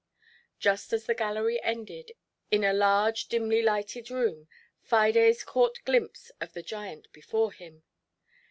Just as the gallery ended in a large dimly lighted room, Fides caught a glimpse of the giant before him.